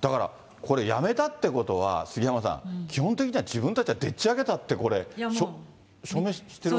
だからこれ、辞めたっていうことは、杉山さん、基本的には自分たちはでっちあげたって証明してる。